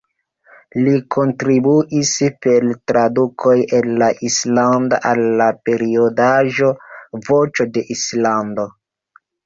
Li kontribuis per tradukoj el la islanda al la periodaĵo "Voĉo de Islando".